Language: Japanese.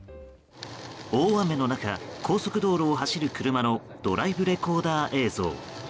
大雨の中高速道路を走る車のドライブレコーダー映像。